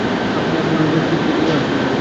আপনি আমার ঐ বাড়িতে কিছুদিন থেকে আসুন-না!